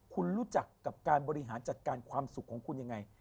คุณรู้จักกับการบริหารจัดการความสุขของคุณยังไง